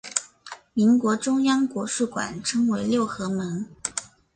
民国中央国术馆称为六合门。